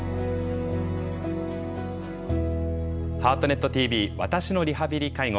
「ハートネットＴＶ私のリハビリ・介護」。